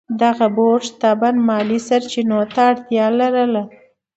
دغه بورډ طبعاً مالي سرچینو ته اړتیا لرله.